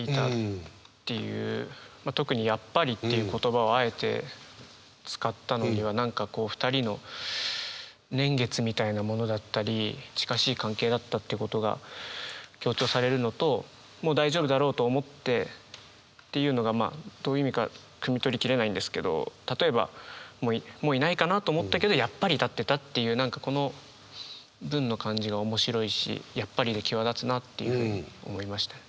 特に「やっぱり」っていう言葉をあえて使ったのには何かこうふたりの年月みたいなものだったり近しい関係だったということが強調されるのと「もう大丈夫だろうと思って」っていうのがまあどういう意味かくみ取り切れないんですけど例えばもういないかなと思ったけどやっぱり立ってたっていう何かこの文の感じが面白いし「やっぱり」で際立つなっていうふうに思いました。